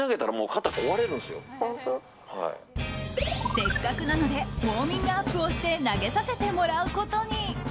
せっかくなのでウォーミングアップをして投げさせてもらうことに。